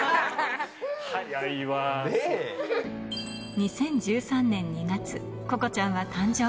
２０１３年２月、ここちゃんは誕生。